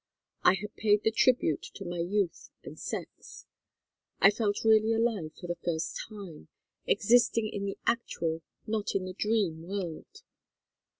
I had paid the tribute to my youth and sex. I felt really alive for the first time, existing in the actual not in the dream world.